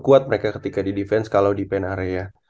kuat mereka ketika di defense kalo di paint area